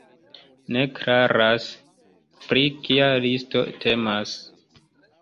Ne klaras, pri kia listo temas.